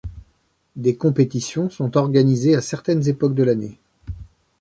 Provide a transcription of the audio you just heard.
Des compétitions sont organisées à certaines époques de l’année.